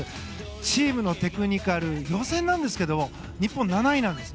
チームテクニカル予選なんですけども日本、７位なんです。